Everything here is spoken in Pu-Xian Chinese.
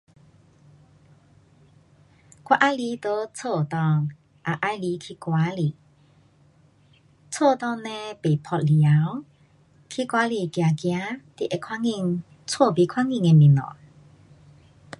我喜欢在家内，也喜欢去外里，家内呢不嗮太阳，去外里走走你会看见家不看到的东西。